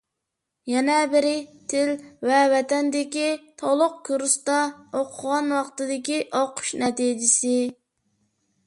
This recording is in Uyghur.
يەنە بىرى، تىل ۋە ۋەتەندىكى تولۇق كۇرستا ئوقۇغان ۋاقتىدىكى ئوقۇش نەتىجىسى.